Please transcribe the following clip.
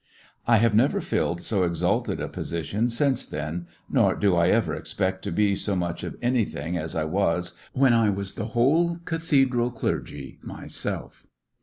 I have never filled so exalted a position since then, nor do I ever expect to be so much of anything as I was when I was the whole ca thedral clergy myself.